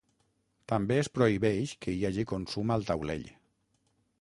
També es prohibeix que hi hagi consum al taulell.